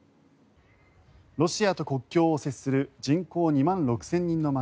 ロシアと国境を接する人口２万６０００人の街